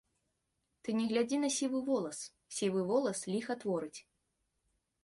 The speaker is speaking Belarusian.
Ты не глядзі на сівы волас, сівы волас ліха творыць.